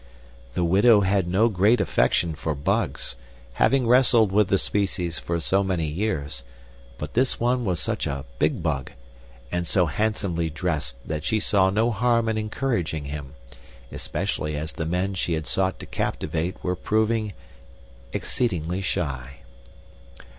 The widow had no great affection for bugs, having wrestled with the species for many years; but this one was such a big bug and so handsomely dressed that she saw no harm in encouraging him especially as the men she had sought to captivate were proving exceedingly shy.